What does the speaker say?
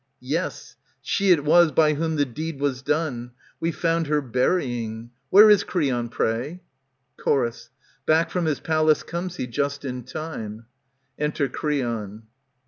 Yes ! She it was by whom the deed was done. We found her burying. Where is Creon, pray ? Chor* Back from his palace comes he just in time. Enter Creon.